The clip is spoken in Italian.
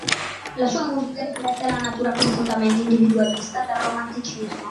La sua musica riflette la natura profondamente individualista del Romanticismo.